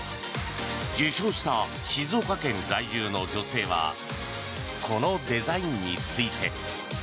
受賞した静岡県在住の女性はこのデザインについて。